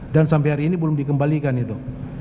dan sampai hari ini belum dikembalikan itu